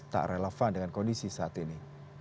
tak relevan dengan kondisi saat ini